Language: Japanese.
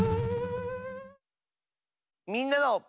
みんなの。